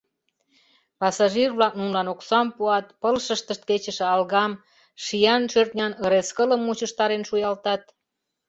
Пассажир-влак нунылан оксам пуат, пылышыштышт кечыше алгам, шиян-шӧртнян ырескылым мучыштарен шуялтат.